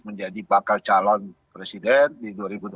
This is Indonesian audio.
menjadi bakal calon presiden di dua ribu dua puluh